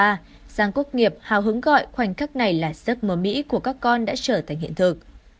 giàng quốc nghiệp hào hứng gọi khoảnh khắc này là giấc mơ mỹ của các con đã trở thành hiện thực